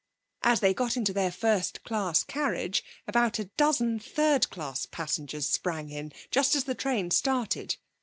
As they got into their first class carriage about a dozen third class passengers sprang in, just as the train started.